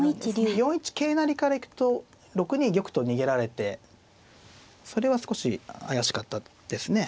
４一桂成から行くと６二玉と逃げられてそれは少し怪しかったですね。